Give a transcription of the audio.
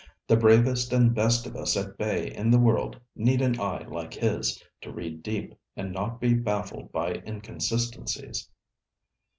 The bravest and best of us at bay in the world need an eye like his, to read deep and not be baffled by inconsistencies.'